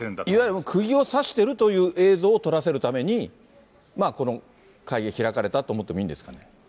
いわゆるくぎを刺しているという映像を撮らせるために、この会議、開かれたと思ってもいいんですか。